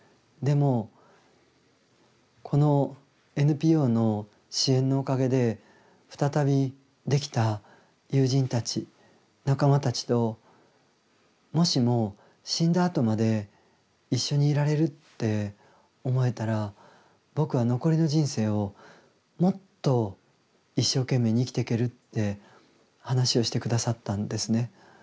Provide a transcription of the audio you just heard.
でもこのＮＰＯの支援のおかげで再びできた友人たち仲間たちともしも死んだあとまで一緒にいられるって思えたら僕は残りの人生をもっと一生懸命に生きていける」って話をして下さったんですね。